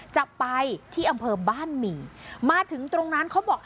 จะไปที่อำเภอบ้านหมี่มาถึงตรงนั้นเขาบอก